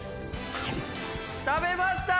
食べました！